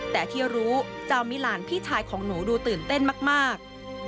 แต่ที่รู้เจ้ามิลานพี่ชายของหนูดูตื่นเต้นมาก